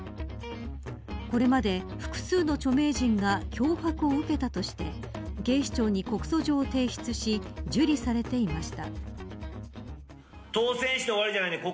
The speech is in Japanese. これまで複数の著名人が脅迫を受けたとして警視庁に告訴状を提出し受理されていました。